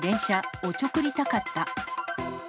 おちょくりたかった。